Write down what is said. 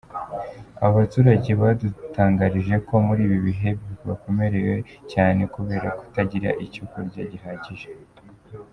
Aba baturage badutangarije ko muri ibi bihe bakomerewe cyane kubera kutagira icyo kurya gihagije.